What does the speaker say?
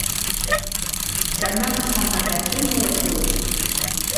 Sy makket fan har hert gjin moardkûle.